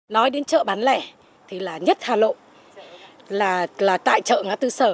nói đến chợ bán lẻ thì là nhất hà nội là tại chợ ngã tư sở